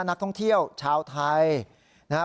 นักท่องเที่ยวชาวไทยนะครับ